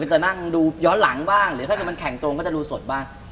จะนั่งดูย้อนหลังบ้างหรือถ้าเกิดมันแข่งตรงก็จะดูสดบ้าง